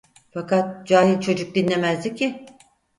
Fakat cahil çocuk, dinlemezdi ki…